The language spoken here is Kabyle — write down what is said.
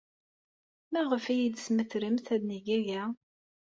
Maɣef ay d-tesmetremt ad neg aya?